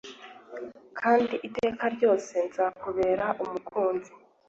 kandi iteka ryose nzakubera umukunzi